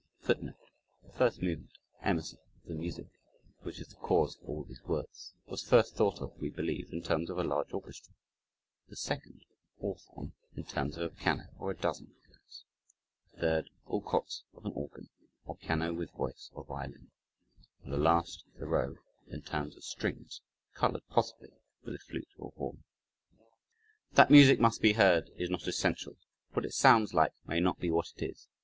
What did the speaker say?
[Footnote: The first movement (Emerson) of the music, which is the cause of all these words, was first thought of (we believe) in terms of a large orchestra, the second (Hawthorne) in terms of a piano or a dozen pianos, the third (Alcotts) of an organ (or piano with voice or violin), and the last (Thoreau), in terms of strings, colored possibly with a flute or horn.] That music must be heard, is not essential what it sounds like may not be what it is.